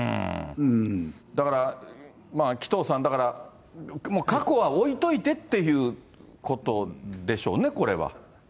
だから、紀藤さん、だから過去は置いといてっていうことでしょうね、これは。